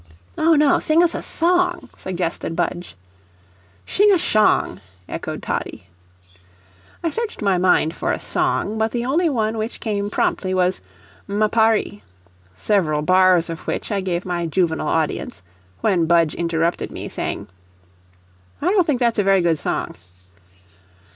"Oh, no, sing us a song," suggested Budge. "Shing us shong," echoed Toddie. I searched my mind for a song, but the only one which came promptly was "M'Appari," several bars of which I gave my juvenile audience, when Budge interrupted me, saying: "I don't think that's a very good song."